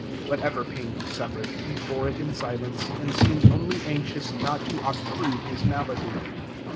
Whatever pain he suffered, he bore it in silence, and seemed only anxious not to obtrude his malady.